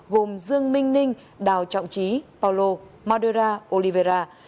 gồm dương minh ninh đào trọng trí paulo madera oliveira